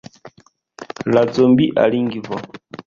La zombia lingvo.